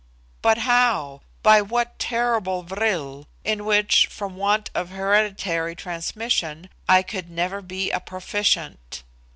But how? By that terrible vril, in which, from want of hereditary transmission, I could never be a proficient?